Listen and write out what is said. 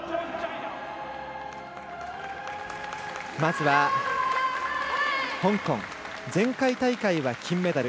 まずは、香港前回大会は金メダル。